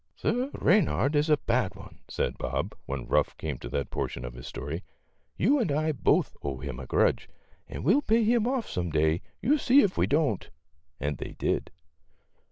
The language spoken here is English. " Sir Reynard is a bad one," said Bob, when Ruff came to that portion of his story ;~ you and I both owe him a grudge, and we '11 pay him off some day, you see if we don't ;" and they did.